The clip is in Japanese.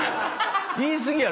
言い過ぎやろ。